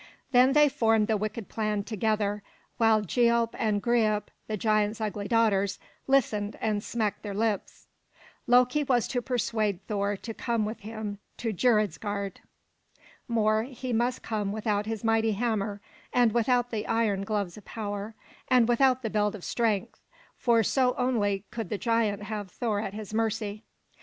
Then they formed the wicked plan together, while Gialp and Greip, the giant's ugly daughters, listened and smacked their lips. Loki was to persuade Thor to come with him to Geirrödsgard. More; he must come without his mighty hammer, and without the iron gloves of power, and without the belt of strength; for so only could the giant have Thor at his mercy.